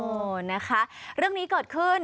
นะคะเรื่องนี้เกิดขึ้น